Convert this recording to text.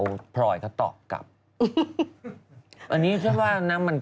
โอลี่คัมรี่ยากที่ใครจะตามทันโอลี่คัมรี่ยากที่ใครจะตามทัน